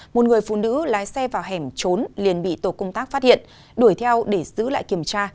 một người phụ nữ lái xe vào hẻm trốn liền bị tổ công tác phát hiện đuổi theo để giữ lại kiểm tra